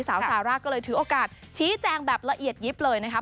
สาวซาร่าก็เลยถือโอกาสชี้แจงแบบละเอียดยิบเลยนะครับ